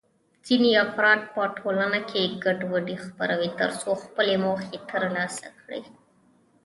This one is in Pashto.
ځینې افراد په ټولنه کې ګډوډي خپروي ترڅو خپلې موخې ترلاسه کړي.